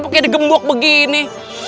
pakai di gembok begini